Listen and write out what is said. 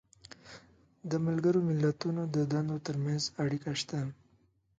د ملګرو ملتونو د دندو تر منځ اړیکه شته.